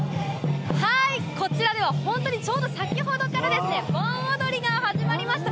こちらでは本当にちょうど先ほどからですね、盆踊りが始まりました。